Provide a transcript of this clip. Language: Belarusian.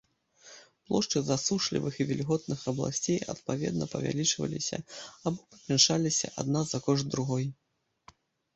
Плошчы засушлівых і вільготных абласцей адпаведна павялічваліся або памяншаліся адна за кошт другой.